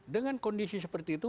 dengan kondisi seperti itu